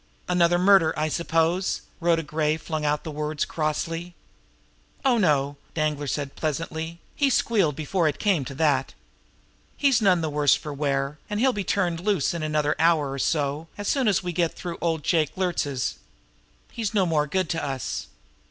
"Another murder, I suppose!" Rhoda Gray flung out the words crossly. "Oh, no," said Danglar pleasantly. "He squealed before it came to that. He's none the worse for wear, and he'll be turned loose in another hour or so, as soon as we're through at old Jake Luertz's. He's no more good to us.